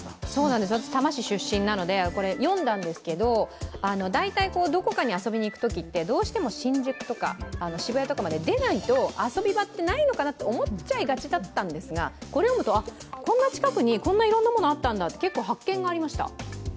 私多摩市出身なので読んだんですけれども、大体、どこかに遊びにいくときってどうしても新宿とか渋谷とかまで出ないと遊び場ってないのかなと思っちゃいがちだったんですがこれ読むと、こんな近くにこんないろんなものがあったんだって、結構、発見がありました。